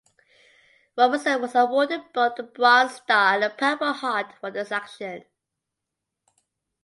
Robertson was awarded both the Bronze Star and the Purple Heart for this action.